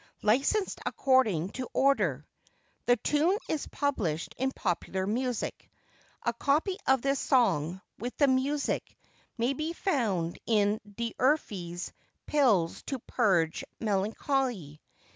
Licensed according to order. The tune is published in Popular Music. A copy of this song, with the music, may be found in D'Urfey's Pills to purge Melancholy.